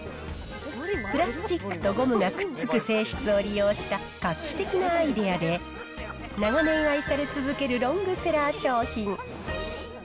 プラスチックとゴムがくっつく性質を利用した画期的なアイデアで、長年愛され続けるロングセラー商品。